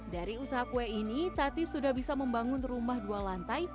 dari usaha kue ini tati sudah bisa membangun rumah dua lantai